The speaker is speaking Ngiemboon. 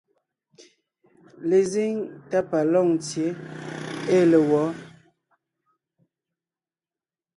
Lezíŋ tá pa Lôŋtsyě ée le wɔ̌?